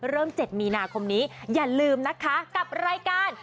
๗มีนาคมนี้อย่าลืมนะคะกับรายการ